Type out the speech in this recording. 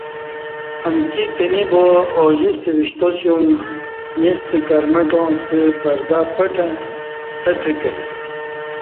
امکی کِینی با اوجِستہ وِشتاسیوم ییݩستہ کرمٹاں ستہ پردہ پٹں اہتہت کہ